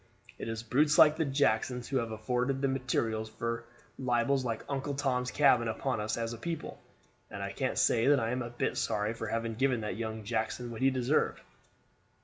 It is brutes like the Jacksons who have afforded the materials for libels like 'Uncle Tom's Cabin' upon us as a people; and I can't say that I am a bit sorry for having given that young Jackson what he deserved."